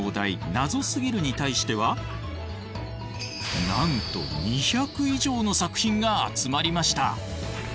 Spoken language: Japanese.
「ナゾすぎる」に対してはなんと２００以上の作品が集まりました。